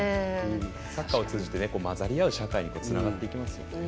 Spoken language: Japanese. サッカーを通じて交ざり合う社会へとつながっていきますよね。